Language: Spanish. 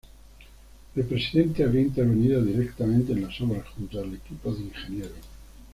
El presidente habría intervenido directamente en las obras, junto al equipo de ingenieros.